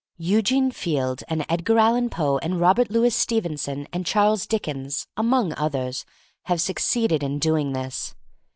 Eugene Field and Edgar Allan Poe and Robert Louis Stevenson and Charles Dickens, among others, have succeeded in doing this.